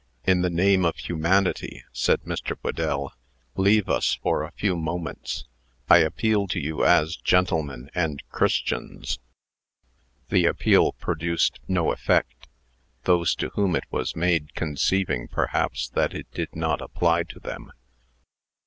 "In the name of humanity," said Mr. Whedell, "leave us for a few moments. I appeal to you as gentlemen and Christians." The appeal produced no effect; those to whom it was made conceiving, perhaps, that it did not apply to them.